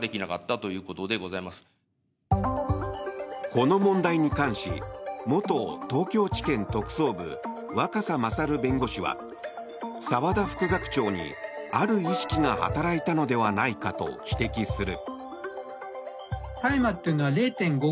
この問題に関し元東京地検特捜部若狭勝弁護士は澤田副学長に、ある意識が働いたのではないかと指摘する。